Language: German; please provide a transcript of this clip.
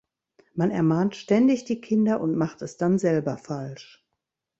Man ermahnt ständig die Kinder und macht es dann selber falsch.